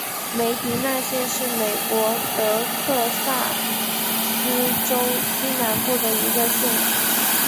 梅迪纳县是美国德克萨斯州西南部的一个县。